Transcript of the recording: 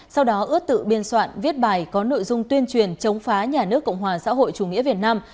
sau đó ướt tự biên soạn viết bài có nội dung tuyên truyền chống phá nhà nước cộng hòa xã hội chủ nghĩa việt nam